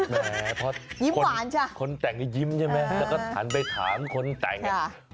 แม่เพราะคนแต่งก็ยิ้มใช่ไหมแล้วก็ถันไปถามคนแต่ง